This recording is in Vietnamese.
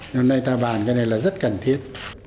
hôm nay ta bàn cái này là rất cần thiết